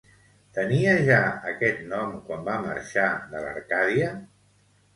Tenia ja aquest nom quan va marxar de l'Arcàdia?